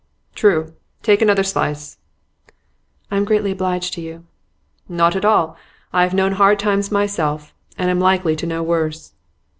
'True. Take another slice.' 'I am greatly obliged to you.' 'Not at all. I have known hard times myself, and am likely to know worse.